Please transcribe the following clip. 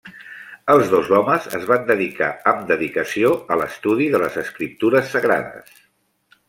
Els dos homes es van dedicar amb dedicació a l'estudi de les escriptures sagrades.